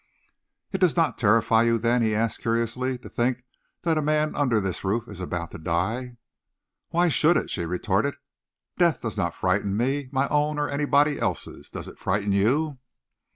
"It does not terrify you, then," he asked curiously, "to think that a man under this roof is about to die?" "Why should it?" she retorted. "Death does not frighten me my own or anybody else's. Does it frighten you?"